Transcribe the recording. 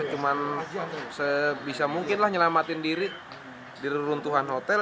cuma sebisa mungkinlah menyelamatkan diri di runtuhan hotel